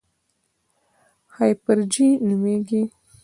هایپرجي نومېږي.